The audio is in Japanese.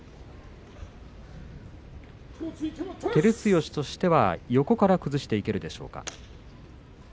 照強としては横から崩していけるでしょうか。